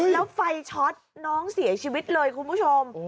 แล้วไฟช็อตน้องเสียชีวิตเลยคุณผู้ชม